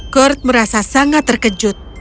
kurt merasa sangat terkejut